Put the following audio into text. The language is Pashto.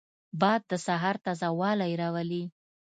باد د سهار تازه والی راولي